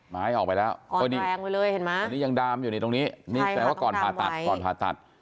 ไม้ออกไปแล้วออนแรงเลยเห็นมั้ยอันนี้ยังดามอยู่ตรงนี้แสดงว่าก่อนผ่าตัด